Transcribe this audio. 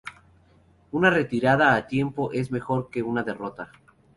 Una retirada a tiempo es mejor que una derrota